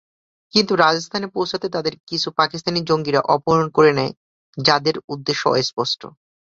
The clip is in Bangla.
কিন্তু রাজস্থানে পৌঁছাতে তাদের কিছু পাকিস্তানি জঙ্গিরা অপহরণ করে নেয় যাদের উদ্দেশ্য অস্পষ্ট।